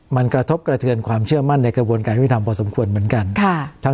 มันกระทบกระเทือนความเชื่อมั่นในกระบวนการยุทธรรมพอสมควรเหมือนกัน